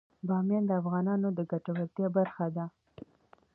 بامیان د افغانانو د ګټورتیا برخه ده.